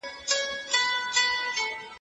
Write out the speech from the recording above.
تاسي ولي د پښتو په ليکدود کي تغيیر راوستی؟